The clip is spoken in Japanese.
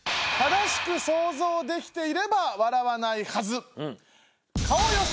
正しく想像できていれば笑わないはず。